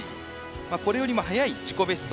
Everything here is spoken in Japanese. これよりも早い自己ベスト